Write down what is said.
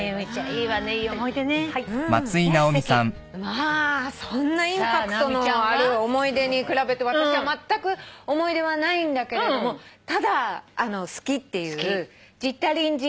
まあそんなインパクトのある思い出に比べて私はまったく思い出はないんだけれどもただ好きっていう。